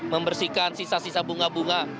membersihkan sisa sisa bunga bunga